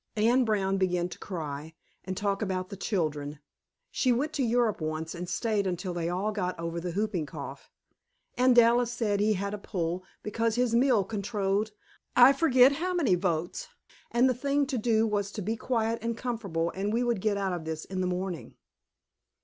Anne Brown began to cry, and talk about the children. (She went to Europe once and stayed until they all got over the whooping cough.) And Dallas said he had a pull, because his mill controlled I forget how many votes, and the thing to do was to be quiet and comfortable and we would get out in the morning.